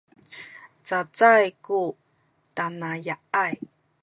cacay ku tanaya’ay